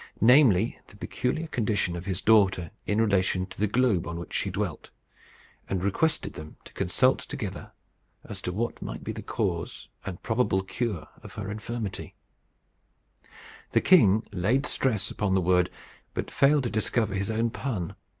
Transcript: namely, the peculiar condition of his daughter in relation to the globe on which she dwelt; and requested them to consult together as to what might be the cause and probable cure of her infirmity. The king laid stress upon the word, but failed to discover his own pun.